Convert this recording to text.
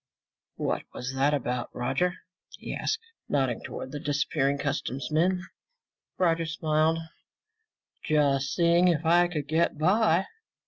"What was that about, Roger?" he asked, nodding toward the disappearing customs men. Roger smiled. "Just seeing if I could get by."